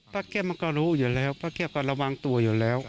ป้าเกี๊ยบมันก็รู้อยู่แล้วป้าเกี๊ยบก็ระวังตัวอยู่แล้ว